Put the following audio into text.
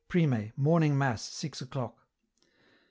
Prime, Morning Mass, 6 o'clock.